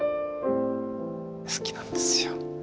好きなんですよ。